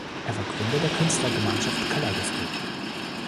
Er war Gründer der Künstlergemeinschaft Kaleidoskop.